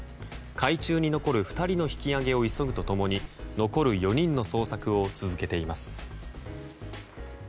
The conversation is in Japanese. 海中に残る２人の引き揚げを急ぐと共に残る４人の捜索を続けています。